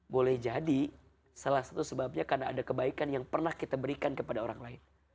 boleh jadi salah satu sebabnya karena ada kebaikan yang pernah kita berikan kepada orang lain